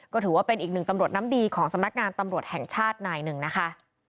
ก็ถือว่าเป็นอีกหนึ่งตำรวจน้ำดีของสำนักงานตำรวจแห่งชาตินายหนึ่งนะคะ